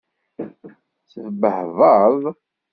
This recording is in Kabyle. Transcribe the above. Tebbehbaḍ?